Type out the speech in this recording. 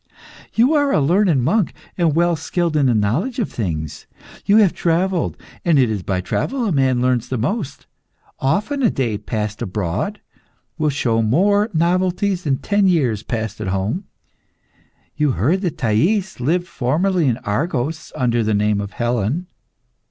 You are a learned monk, and well skilled in the knowledge of things. You have travelled, and it is by travel a man learns the most. Often a day passed abroad will show more novelties than ten years passed at home. You have heard that Thais lived formerly in Argos, under the name of Helen.